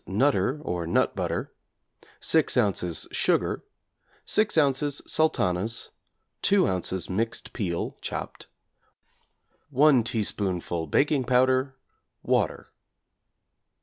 'Nutter' or nut butter, 6 ozs. sugar, 6 ozs. sultanas, 2 ozs. mixed peel (chopped), 1 teaspoonful baking powder, water.